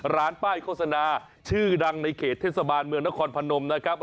ร้านป้ายโฆษณาชื่อดังในเขตเทศบาลเมืองนครพนมนะครับ